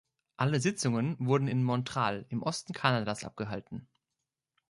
Alle Sitzungen wurden in Montral, im Osten Kanadas abgehalten.